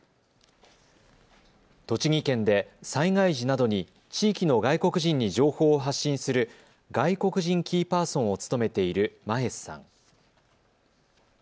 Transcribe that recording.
栃木県で災害時などに地域の外国人に情報を発信する外国人キーパーソンを務めているマヘスさん。